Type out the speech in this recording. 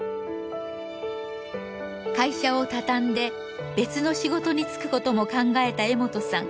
会社を畳んで別の仕事に就くことも考えた江本さん。